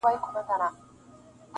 زما غزل تې ستا له حُسنه اِلهام راوړ,